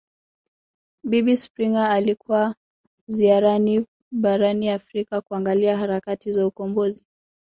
Bibi Springer alikuwa ziarani barani Afrika kuangalia harakati za ukombozi